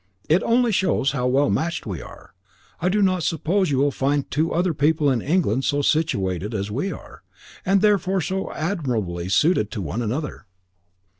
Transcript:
"It only shows how well matched we are. I do not suppose you will find two other people in England so situated as we are, and therefore so admirably suited to one another."